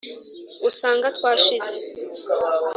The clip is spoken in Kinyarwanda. usanga twashize